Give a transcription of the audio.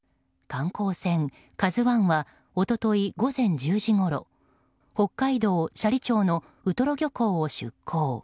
観光船「ＫＡＺＵ１」は一昨日午前１０時ごろ北海道斜里町のウトロ漁港を出港。